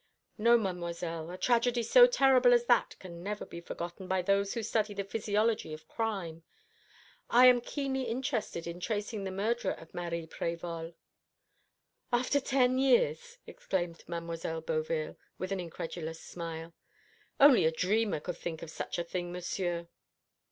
"No, Mademoiselle; a tragedy so terrible as that can never be forgotten by those who study the physiology of crime. I am keenly interested in tracing the murderer of Marie Prévol." "After ten years!" exclaimed Mademoiselle Beauville, with an incredulous smile. "Only a dreamer could think of such a thing, Monsieur."